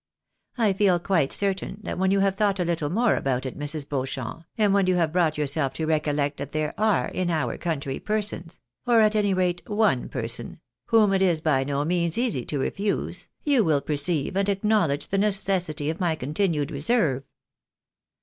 I feel quite certain that when you have thought a Uttle more about it, Mrs. Beauchamp, and wheti you have brought yourself to recollect that there are in our country persons — or at any rate one person— whom it is by no means easy to refuse, you will perceive and acknowledge the necessity of my continued reserve."